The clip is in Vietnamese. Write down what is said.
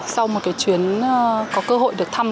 sau một cái chuyến có cơ hội được thăm